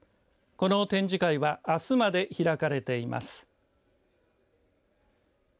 この展示会はあすまで開かれています。